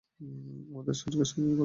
আমাদেরকে সাহায্য করুন।